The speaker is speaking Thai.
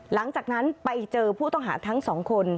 หลังจากนั้นไปเจอผู้ต้องหาทั้งสองคน